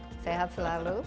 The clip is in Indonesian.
dok sehat selalu